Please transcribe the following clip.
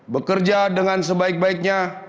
bekerja dengan sebaik baiknya